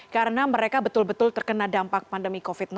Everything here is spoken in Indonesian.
karena mereka betul betul terkena dampak pandemi covid sembilan belas